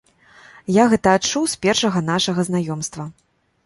Я гэта адчуў з першага нашага знаёмства.